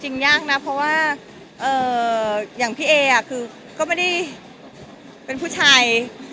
ยากนะเพราะว่าอย่างพี่เอคือก็ไม่ได้เป็นผู้ชาย